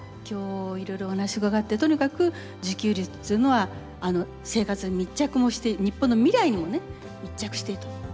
今日いろいろお話を伺ってとにかく自給率というのは生活に密着もして日本の未来にもね密着していると。